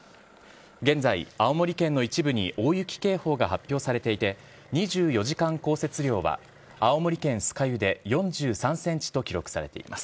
現在、青森県の一部に大雪警報が発表されていて、２４時間降雪量は青森県酸ケ湯で４３センチと記録されています。